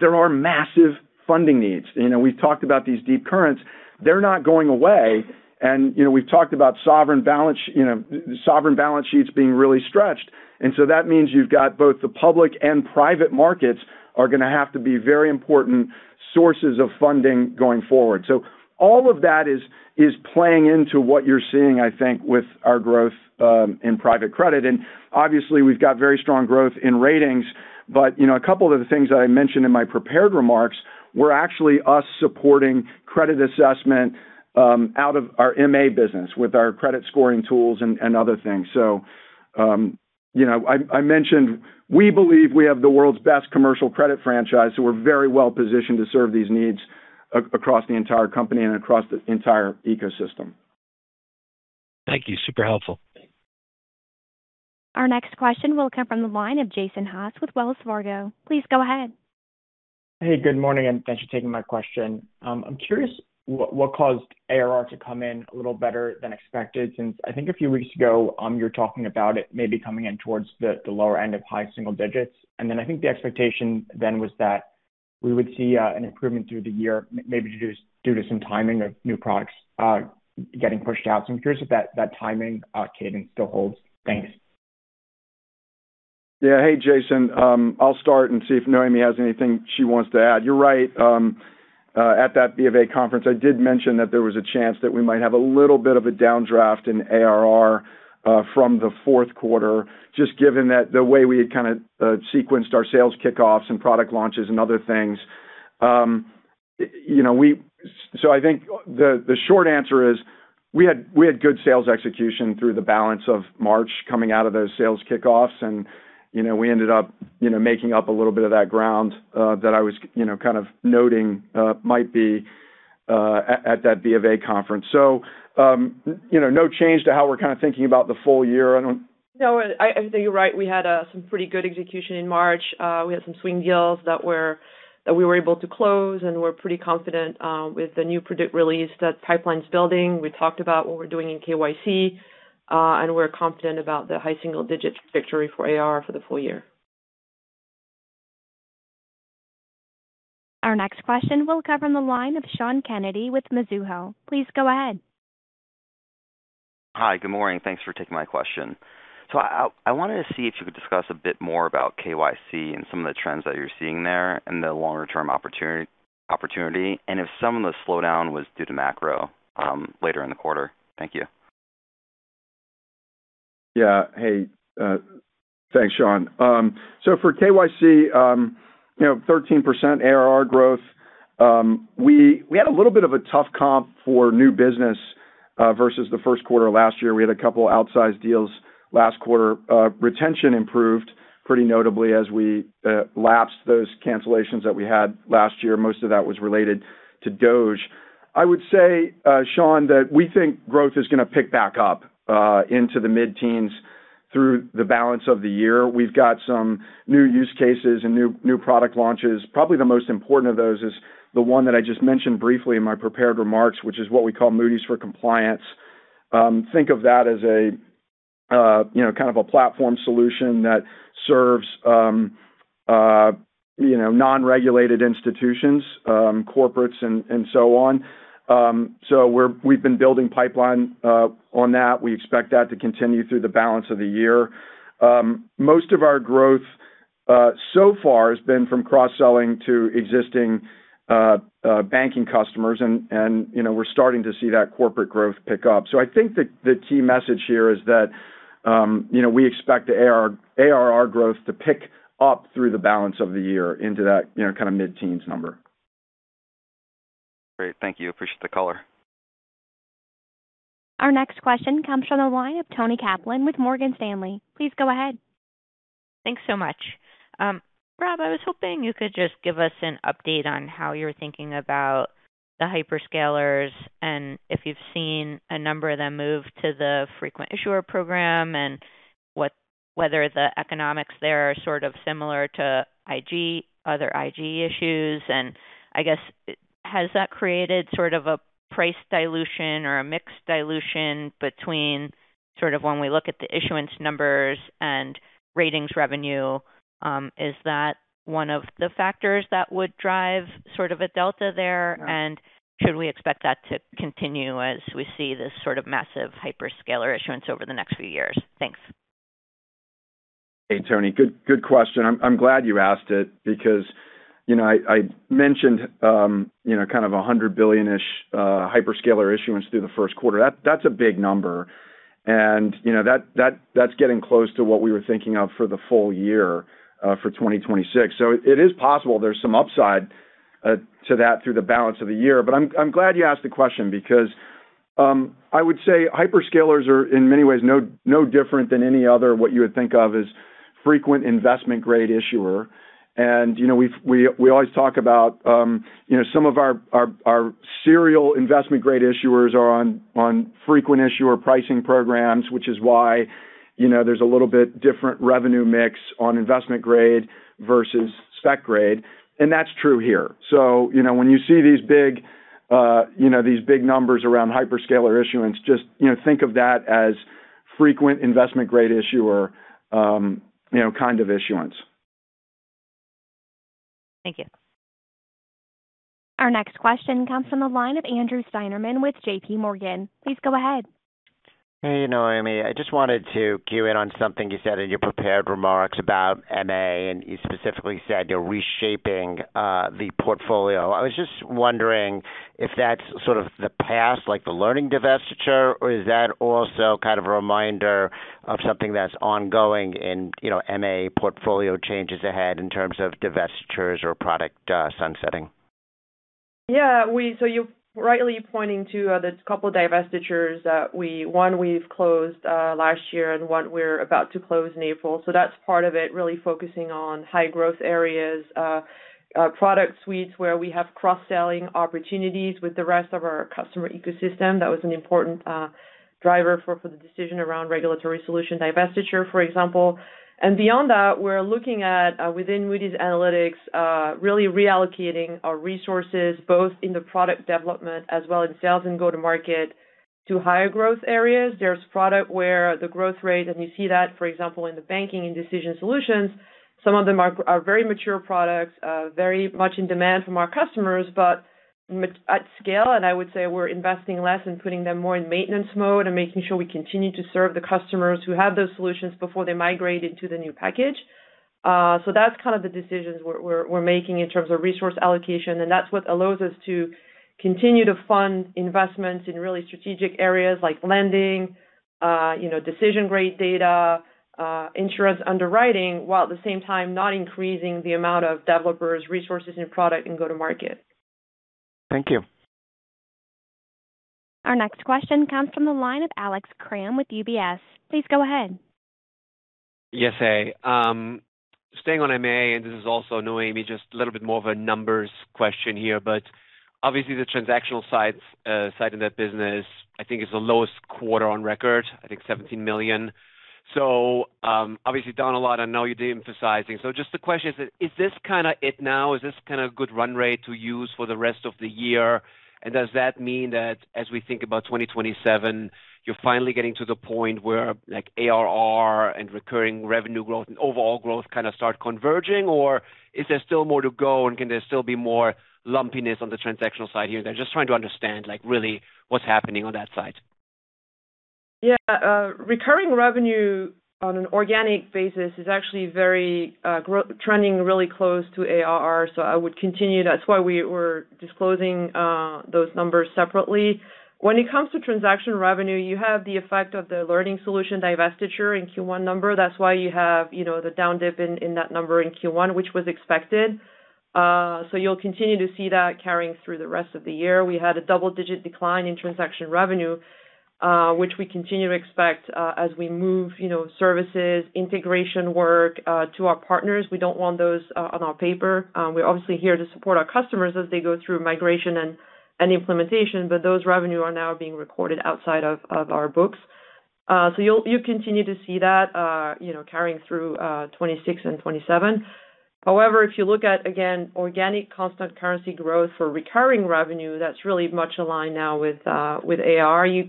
There are massive funding needs. We've talked about these deep currents. They're not going away. We've talked about sovereign balance sheets being really stretched. That means you've got both the public and private markets are going to have to be very important sources of funding going forward. All of that is playing into what you're seeing, I think, with our growth in private credit. Obviously, we've got very strong growth in ratings. A couple of the things that I mentioned in my prepared remarks were actually us supporting credit assessment out of our MA business with our credit scoring tools and other things. I mentioned we believe we have the world's best commercial credit franchise, so we're very well positioned to serve these needs across the entire company and across the entire ecosystem. Thank you. Super helpful. Our next question will come from the line of Jason Haas with Wells Fargo. Please go ahead. Hey, good morning, and thanks for taking my question. I'm curious what caused ARR to come in a little better than expected, since I think a few weeks ago you were talking about it maybe coming in towards the lower end of high single digits. I think the expectation then was that we would see an improvement through the year, maybe due to some timing of new products getting pushed out. I'm curious if that timing cadence still holds. Thanks. Yeah. Hey, Jason. I'll start and see if Noémie has anything she wants to add. You're right. At that B of A conference, I did mention that there was a chance that we might have a little bit of a downdraft in ARR from the fourth quarter, just given that the way we had kind of sequenced our sales kickoffs and product launches and other things. I think the short answer is we had good sales execution through the balance of March coming out of those sales kickoffs, and we ended up making up a little bit of that ground that I was kind of noting might be at that B of A conference. No change to how we're kind of thinking about the full year. I don't-. No, I think you're right. We had some pretty good execution in March. We had some swing deals that we were able to close, and we're pretty confident with the new product release that pipeline's building. We talked about what we're doing in KYC, and we're confident about the high single-digit victory for ARR for the full year. Our next question will come from the line of Sean Kennedy with Mizuho. Please go ahead. Hi. Good morning. Thanks for taking my question. I wanted to see if you could discuss a bit more about KYC and some of the trends that you're seeing there and the longer term opportunity. If some of the slowdown was due to macro later in the quarter. Thank you. Yeah. Hey. Thanks, Sean. For KYC, 13% ARR growth. We had a little bit of a tough comp for new business versus the first quarter of last year. We had a couple outsized deals last quarter. Retention improved pretty notably as we lapsed those cancellations that we had last year. Most of that was related to DOGE. I would say, Sean, that we think growth is going to pick back up into the mid-teens through the balance of the year. We've got some new use cases and new product launches. Probably the most important of those is the one that I just mentioned briefly in my prepared remarks, which is what we call Moody's for Compliance. Think of that as a kind of a platform solution that serves non-regulated institutions, corporates and so on. We've been building pipeline on that. We expect that to continue through the balance of the year. Most of our growth so far has been from cross-selling to existing banking customers, and we're starting to see that corporate growth pick up. I think the key message here is that we expect the ARR growth to pick up through the balance of the year into that kind of mid-teens number. Great. Thank you. Appreciate the color. Our next question comes from the line of Toni Kaplan with Morgan Stanley. Please go ahead. Thanks so much. Rob, I was hoping you could just give us an update on how you're thinking about the hyperscalers and if you've seen a number of them move to the frequent issuer program and whether the economics there are sort of similar to other IG issues. I guess, has that created sort of a price dilution or a mix dilution between sort of when we look at the issuance numbers and ratings revenue? is that one of the factors that would drive sort of a delta there? Should we expect that to continue as we see this sort of massive hyperscaler issuance over the next few years? Thanks. Hey, Toni. Good question. I'm glad you asked it because I mentioned kind of $100 billion-ish hyperscaler issuance through the first quarter. That's a big number, and that's getting close to what we were thinking of for the full year for 2026. It is possible there's some upside to that through the balance of the year. I'm glad you asked the question because I would say hyperscalers are in many ways no different than any other, what you would think of as frequent investment-grade issuer. We always talk about some of our serial investment-grade issuers are on frequent issuer pricing programs, which is why there's a little bit different revenue mix on investment-grade versus spec grade. That's true here. When you see these big numbers around hyperscaler issuance, just think of that as frequent investment-grade issuer kind of issuance. Thank you. Our next question comes from the line of Andrew Steinerman with J.P. Morgan. Please go ahead. Hey, Noémie. I just wanted to zero in on something you said in your prepared remarks about MA, and you specifically said you're reshaping the portfolio. I was just wondering if that's sort of the past, like the learning divestiture, or is that also kind of a reminder of something that's ongoing in MA portfolio changes ahead in terms of divestitures or product sunsetting? Yeah. You're rightly pointing to the couple divestitures that, one, we've closed last year and one we're about to close in April. That's part of it, really focusing on high growth areas, product suites where we have cross-selling opportunities with the rest of our customer ecosystem. That was an important driver for the decision around regulatory solution divestiture, for example. Beyond that, we're looking at within Moody's Analytics really reallocating our resources both in the product development as well in sales and go-to-market to higher growth areas. There's product where the growth rate, and you see that, for example, in the banking and Decision Solutions. Some of them are very mature products, very much in demand from our customers, but at scale, and I would say we're investing less in putting them more in maintenance mode and making sure we continue to serve the customers who have those solutions before they migrate into the new package. That's kind of the decisions we're making in terms of resource allocation, and that's what allows us to continue to fund investments in really strategic areas like lending, decision-grade data, insurance underwriting, while at the same time not increasing the amount of developers, resources and product in go-to-market. Thank you. Our next question comes from the line of Alex Kramm with UBS. Please go ahead. Yes. Staying on MA, and this is also Noémie, just a little bit more of a numbers question here, but obviously the transactional side of that business, I think, is the lowest quarter on record, I think $17 million. Obviously down a lot. I know you're de-emphasizing. Just the question is: Is this it now? Is this kind of a good run rate to use for the rest of the year? Does that mean that as we think about 2027, you're finally getting to the point where ARR and recurring revenue growth and overall growth kind of start converging? Or is there still more to go and can there still be more lumpiness on the transactional side here? I'm just trying to understand really what's happening on that side. Yeah. Recurring revenue on an organic basis is actually trending really close to ARR, so I would continue. That's why we're disclosing those numbers separately. When it comes to transaction revenue, you have the effect of the learning solution divestiture in Q1 number. That's why you have the down dip in that number in Q1, which was expected. You'll continue to see that carrying through the rest of the year. We had a double-digit decline in transaction revenue, which we continue to expect as we move services, integration work to our partners. We don't want those on our paper. We're obviously here to support our customers as they go through migration and implementation, but those revenue are now being recorded outside of our books. You'll continue to see that carrying through 2026 and 2027. However, if you look at, again, organic constant currency growth for recurring revenue, that's really much aligned now with ARR. You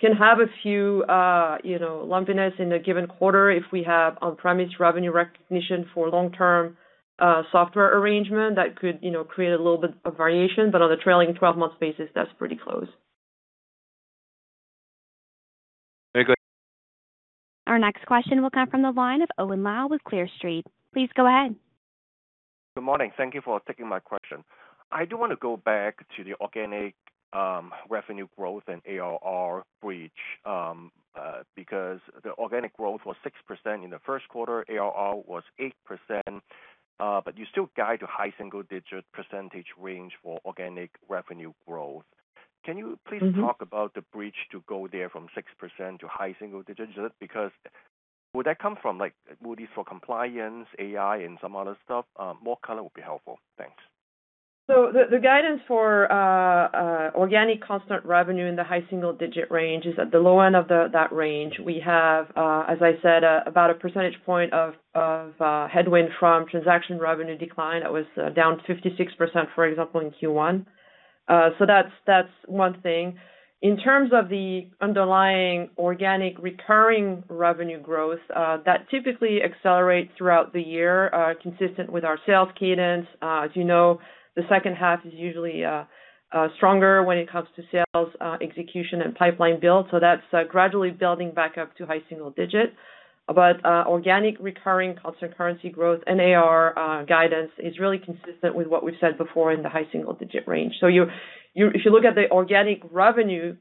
can have a few lumpiness in a given quarter if we have on-premise revenue recognition for long-term software arrangement, that could create a little bit of variation. On the trailing 12-month basis, that's pretty close. Very good. Our next question will come from the line of Owen Lau with Clear Street. Please go ahead. Good morning. Thank you for taking my question. I do want to go back to the organic revenue growth and ARR growth, because the organic growth was 6% in the first quarter, ARR was 8%, but you still guide to high single-digit percentage range for organic revenue growth. Can you please talk about the growth to go there from 6% to high single digits? Because where does that come from? Would it be for compliance, AI, and some other stuff? More color would be helpful. Thanks. The guidance for organic constant revenue in the high single-digit range is at the low end of that range. We have, as I said, about a percentage point of headwind from transaction revenue decline that was down 56%, for example, in Q1. That's one thing. In terms of the underlying organic recurring revenue growth, that typically accelerates throughout the year, consistent with our sales cadence. As you know, the second half is usually stronger when it comes to sales execution and pipeline build, so that's gradually building back up to high single digit. Organic recurring constant currency growth and AR guidance is really consistent with what we've said before in the high single-digit range. If you look at the organic revenue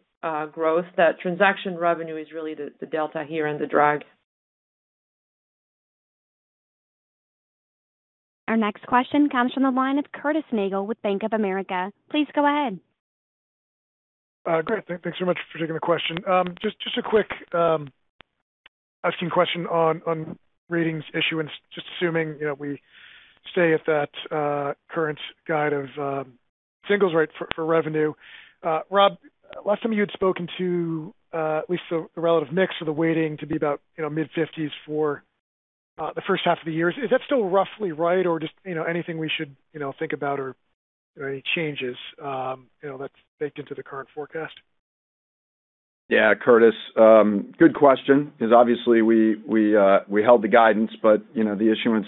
growth, that transaction revenue is really the delta here and the drag. Our next question comes from the line of Curtis Nagle with Bank of America. Please go ahead. Great. Thanks very much for taking the question. Just a quick question on ratings issuance, just assuming we stay at that current guide of single-digit rate for revenue. Rob, last time you had spoken to at least the relative mix of the weighting to be about mid-50s for the first half of the year. Is that still roughly right, or just anything we should think about or any changes that's baked into the current forecast? Yeah. Curtis, good question, because obviously we held the guidance, but the issuance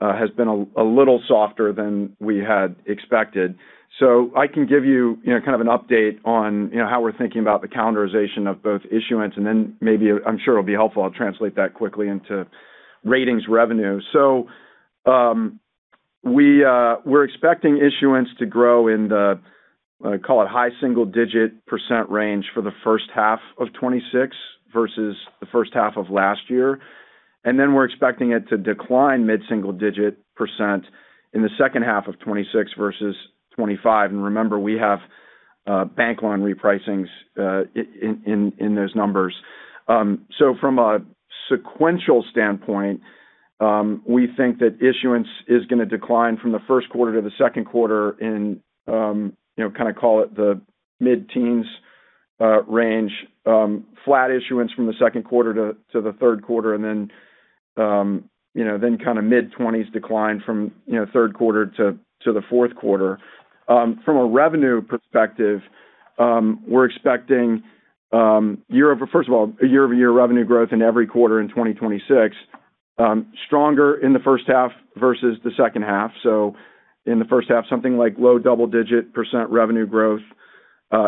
has been a little softer than we had expected. I can give you kind of an update on how we're thinking about the calendarization of both issuance, and then maybe I'm sure it'll be helpful, I'll translate that quickly into ratings revenue. We're expecting issuance to grow in the, call it, high single-digit percent range for the first half of 2026 versus the first half of last year. Then we're expecting it to decline mid-single-digit percent in the second half of 2026 versus 2025. Remember, we have bank loan repricings in those numbers. From a sequential standpoint, we think that issuance is going to decline from the first quarter to the second quarter in kind of call it the mid-teens range. Flat issuance from the second quarter to the third quarter, and then kind of mid-20s decline from third quarter to the fourth quarter. From a revenue perspective, we're expecting, first of all, a year-over-year revenue growth in every quarter in 2026, stronger in the first half versus the second half. In the first half, something like low double-digit percent revenue growth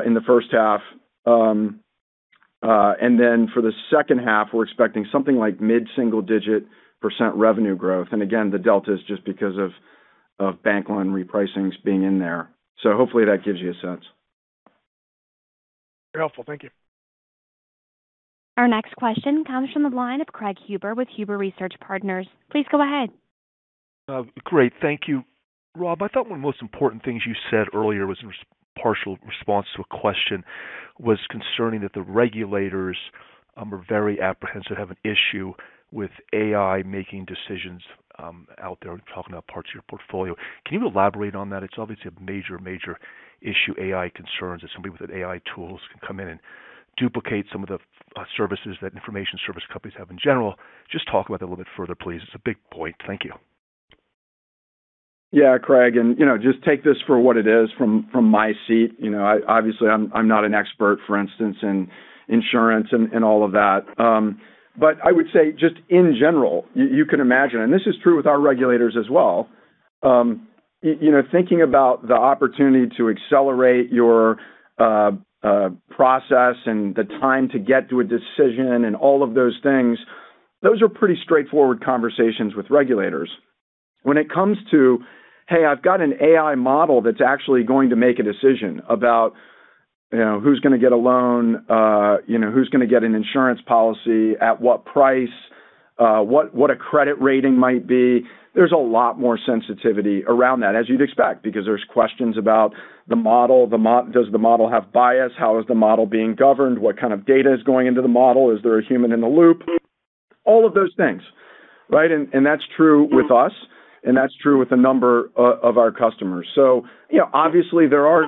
in the first half. For the second half, we're expecting something like mid-single-digit percent revenue growth. Again, the delta is just because of bank loan repricings being in there. Hopefully that gives you a sense. Very helpful. Thank you. Our next question comes from the line of Craig Huber with Huber Research Partners. Please go ahead. Great. Thank you. Rob, I thought one of the most important things you said earlier was in partial response to a question concerning that the regulators are very apprehensive, have an issue with AI making decisions out there. We're talking about parts of your portfolio. Can you elaborate on that? It's obviously a major, major issue, AI concerns, that somebody with AI tools can come in and duplicate some of the services that information service companies have in general. Just talk about that a little bit further, please. It's a big point. Thank you. Yeah. Craig, just take this for what it is from my seat. Obviously, I'm not an expert, for instance, in insurance and all of that. I would say just, in general, you can imagine, and this is true with our regulators as well. Thinking about the opportunity to accelerate your process and the time to get to a decision and all of those things, those are pretty straightforward conversations with regulators. When it comes to, hey, I've got an AI model that's actually going to make a decision about who's going to get a loan, who's going to get an insurance policy, at what price, what a credit rating might be, there's a lot more sensitivity around that, as you'd expect, because there's questions about the model. Does the model have bias? How is the model being governed? What kind of data is going into the model? Is there a human in the loop? All of those things, right? That's true with us, and that's true with a number of our customers. Obviously there are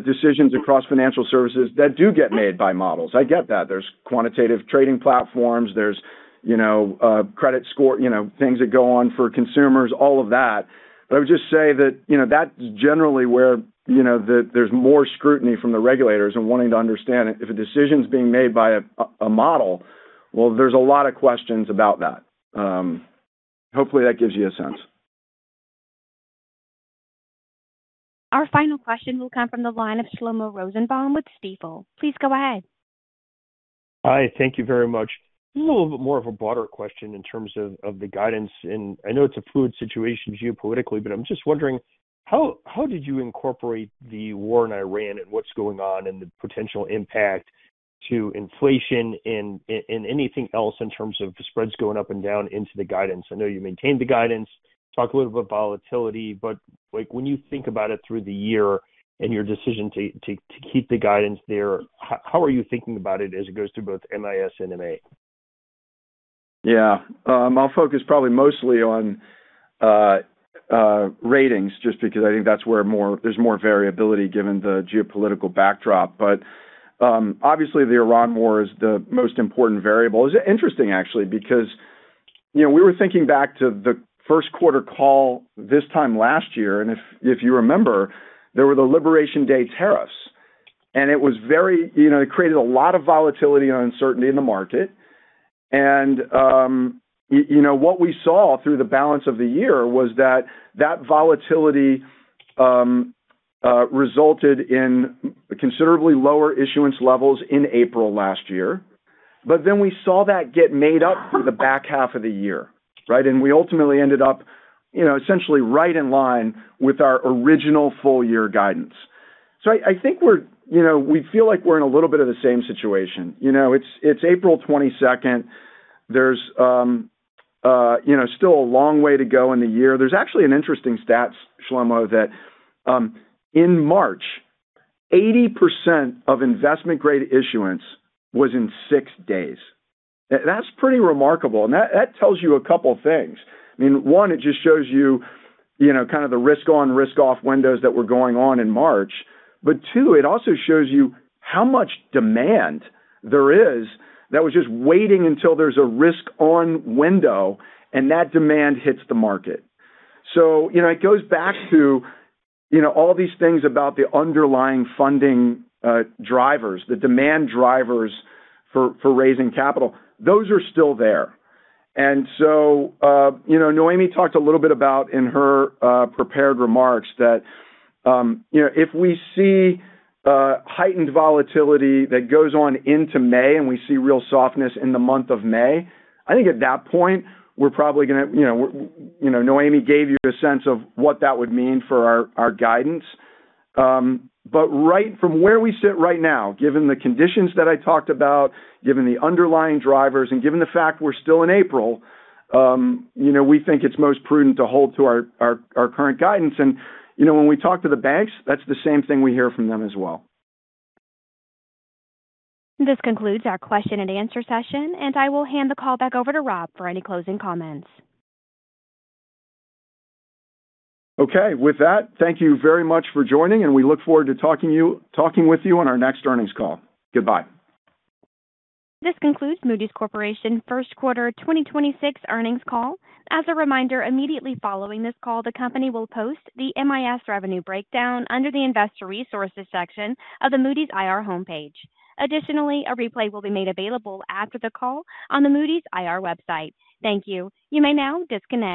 decisions across financial services that do get made by models. I get that. There's quantitative trading platforms, there's credit score, things that go on for consumers, all of that. I would just say that's generally where there's more scrutiny from the regulators and wanting to understand if a decision is being made by a model, well, there's a lot of questions about that. Hopefully, that gives you a sense. Our final question will come from the line of Shlomo Rosenbaum with Stifel. Please go ahead. Hi. Thank you very much. This is a little bit more of a broader question in terms of the guidance, and I know it's a fluid situation geopolitically, but I'm just wondering how did you incorporate the war in Iran and what's going on and the potential impact to inflation and anything else in terms of spreads going up and down into the guidance? I know you maintained the guidance, talked a little bit about volatility, but when you think about it through the year and your decision to keep the guidance there, how are you thinking about it as it goes through both MIS and MA? I'll focus probably mostly on ratings just because I think that's where there's more variability given the geopolitical backdrop. Obviously the Iran war is the most important variable. It's interesting actually because we were thinking back to the first quarter call this time last year, and if you remember, there were the Liberation Day tariffs, and it created a lot of volatility and uncertainty in the market. What we saw through the balance of the year was that that volatility resulted in considerably lower issuance levels in April last year. Then we saw that get made up through the back half of the year, right? We ultimately ended up essentially right in line with our original full year guidance. I think we feel like we're in a little bit of the same situation. It's April 22nd. There's still a long way to go in the year. There's actually an interesting stat, Shlomo, that in March, 80% of investment grade issuance was in six days. That's pretty remarkable. That tells you a couple things. I mean, one, it just shows you kind of the risk on, risk off windows that were going on in March. Two, it also shows you how much demand there is that was just waiting until there's a risk on window and that demand hits the market. It goes back to all these things about the underlying funding drivers, the demand drivers for raising capital. Those are still there. Noémie talked a little bit about, in her prepared remarks, that if we see heightened volatility that goes on into May, and we see real softness in the month of May, I think at that point, Noémie gave you a sense of what that would mean for our guidance. Right from where we sit right now, given the conditions that I talked about, given the underlying drivers, and given the fact we're still in April, we think it's most prudent to hold to our current guidance. When we talk to the banks, that's the same thing we hear from them as well. This concludes our question-and-answer session, and I will hand the call back over to Rob for any closing comments. Okay. With that, thank you very much for joining, and we look forward to talking with you on our next earnings call. Goodbye. This concludes Moody's Corporation First Quarter 2026 Earnings Call. As a reminder, immediately following this call, the company will post the MIS revenue breakdown under the Investor Resources section of the Moody's IR homepage. Additionally, a replay will be made available after the call on the Moody's IR website. Thank you. You may now disconnect.